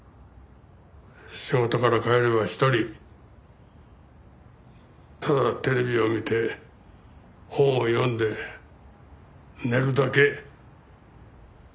仕事から帰れば一人ただテレビを見て本を読んで寝るだけ。